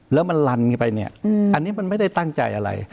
แล้วมันลันเข้าไปเนี่ยอันนี้มันไม่ได้ตั้งใจอะไร